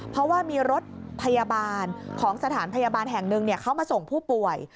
เพราะว่ามีรถพยาบาลของสถานพยาบาลแห่งหนึ่งเขามาส่งผู้ป่วย